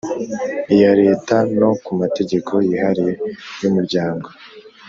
Iya leta no ku mategeko yihariye y umuryango